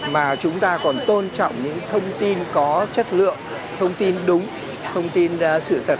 mà chúng ta còn tôn trọng những thông tin có chất lượng thông tin đúng thông tin sự thật